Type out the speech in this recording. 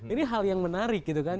ini hal yang menarik gitu kan